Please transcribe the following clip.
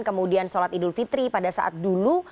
kemudian sholat idul fitri pada saat dulu